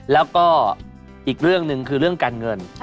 แล้วก็อีกเรื่องหนึ่งคือเรื่องการเงิน